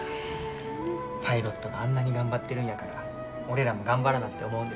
パイロットがあんなに頑張ってるんやから俺らも頑張らなって思うんです。